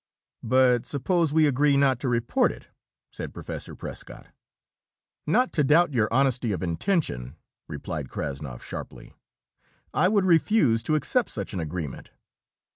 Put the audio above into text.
"But suppose we agree not to report it?" said Professor Prescott. "Not to doubt your honesty of intention," replied Krassnov sharply. "I would refuse to accept such an agreement."